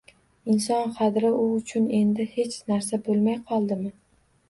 Inson qadri u uchun endi hech narsa bo‘lmay qoldi.